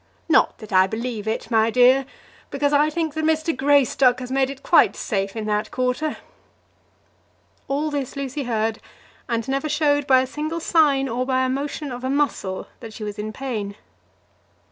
"Not that I believe it, my dear; because I think that Mr. Greystock has made it quite safe in that quarter." All this Lucy heard, and never showed by a single sign, or by a motion of a muscle, that she was in pain.